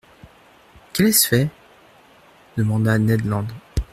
—Quel est ce fait ? demanda Ned Land.